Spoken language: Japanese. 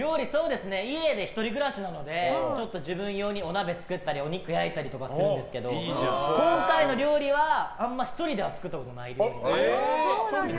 家で１人暮らしなので自分用にお鍋作ったりお肉焼いたりするんですけど今回の料理はあんまり１人では作ったことない料理です。